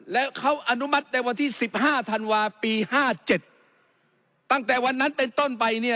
แล้วเขาอนุมัติในวันที่สิบห้าธันวาปีห้าเจ็ดตั้งแต่วันนั้นเป็นต้นไปเนี่ย